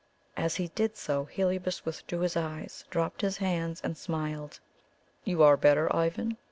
As he did so, Heliobas withdrew his eyes, dropped his hands and smiled. "You are better, Ivan?"